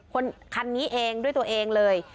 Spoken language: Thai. คันนี้เองด้วยตัวเองเลย